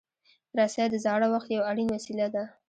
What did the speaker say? رسۍ د زاړه وخت یو اړین وسیله ده.